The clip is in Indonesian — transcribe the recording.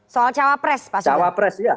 soal cawa press pak sugeng